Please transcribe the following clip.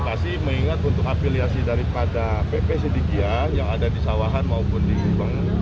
jadi mengingat untuk apeliasi daripada pp sedikit yang ada di sawahan maupun di hukum